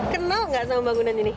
kenal nggak sama bangunan ini